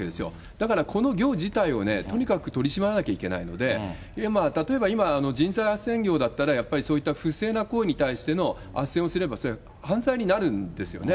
だから、この業事態をね、とにかく取り締まらなきゃいけないので、例えば今、人材あっせん業だったら、やっぱり、そういった不正な行為に対してのあっせんをすれば、それは犯罪になるんですよね。